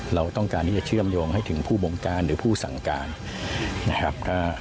เราต้องการที่จะเชื่อมโยงให้ถึงผู้บงการหรือผู้สั่งการนะครับ